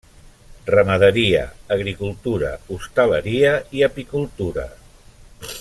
Ramaderia, agricultura, hostaleria i apicultura.